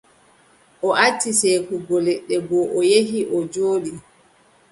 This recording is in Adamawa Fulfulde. O acci seekugo leɗɗe go, o yehi, o jooɗi.